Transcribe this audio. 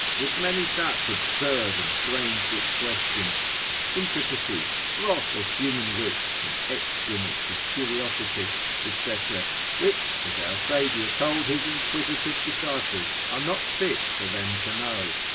with many such absurd and brain sick questions, intricacies, froth of human wit, and excrements of curiosity, &c., which, as our Saviour told his inquisitive disciples, are not fit for them to know.